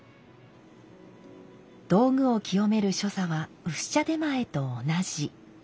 道具を清める所作は薄茶点前と同じ。